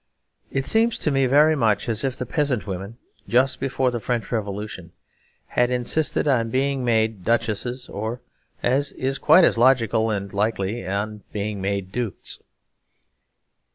It seems to me very much as if the peasant women, just before the French Revolution, had insisted on being made duchesses or (as is quite as logical and likely) on being made dukes.